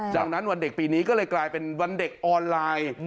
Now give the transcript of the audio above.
ดังนั้นวันเด็กปีนี้ก็เลยกลายเป็นวันเด็กออนไลน์